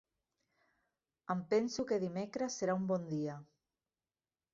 Em penso que dimecres serà un bon dia.